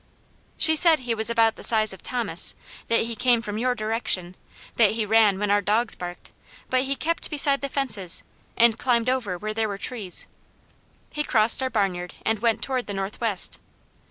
"She said he was about the size of Thomas, that he came from your direction, that he ran when our dogs barked, but he kept beside the fences, and climbed over where there were trees. He crossed our barnyard and went toward the northwest.